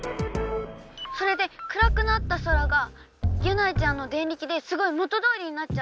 「それでくらくなった空がギュナイちゃんのデンリキですごい元どおりになっちゃって。